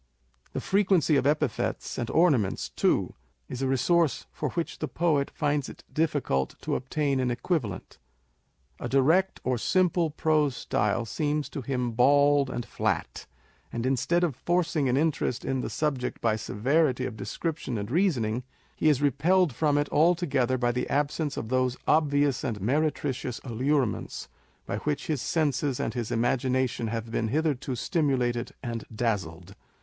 The frequency of epithets and ornaments, too, is a resource for which the poet finds it difficult to obtain an equivalent. A direct, or simple prose style seems to him bald and flat ; and instead of forcing an interest in the subject by severity of description and reasoning, he is repelled from it alto gether by the absence of those obvious and meretricious allurements by which his senses and his imagination have been hitherto stimulated and dazzled.